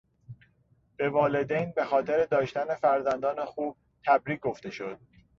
به والدین به خاطر داشتن فرزندان خوب تبریک گفته شد.